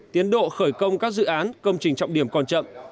tiến độ khởi công các dự án công trình trọng điểm còn chậm